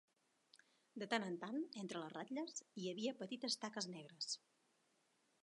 De tant en tant, entre les ratlles, hi havia petites taques negres.